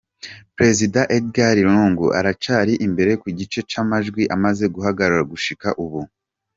Prezida Edgar Lungu aracari imbere ku gice c’amajwi amaze guharurwa gushika ubu.